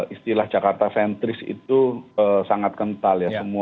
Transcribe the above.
istilah jakarta sentris itu sangat kentang